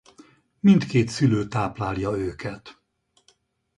Mindkét szülő táplálja őket.